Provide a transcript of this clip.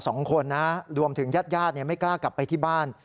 สองคนนะรวมถึงญาติญาติไม่กล้ากลับไปที่บ้าน